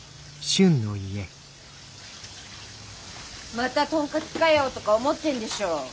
「またトンカツかよ」とか思ってんでしょ。